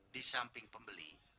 di samping pembeli